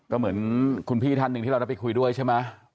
ก็เหมือนคุณพี่ท่านหนึ่งที่เราได้ไปคุยด้วยใช่ไหม